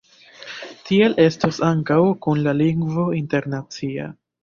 Tiel estos ankaŭ kun la lingvo internacia.